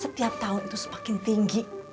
setiap tahun itu semakin tinggi